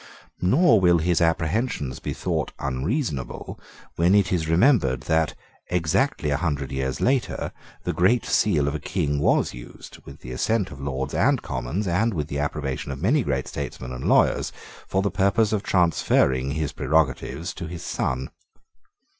Nor will his apprehensions be thought unreasonable when it is remembered that, exactly a hundred years later, the Great Seal of a King was used, with the assent of Lords and Commons, and with the approbation of many great statesmen and lawyers, for the purpose of transferring his prerogatives to his son.